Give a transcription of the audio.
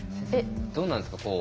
どうなんですか？